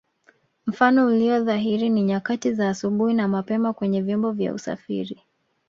Mfano ulio dhahiri ni nyakati za asubuhi na mapema kwenye vyombo vya usafiri